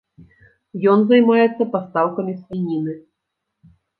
Ён займаецца пастаўкамі свініны.